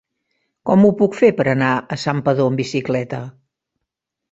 Com ho puc fer per anar a Santpedor amb bicicleta?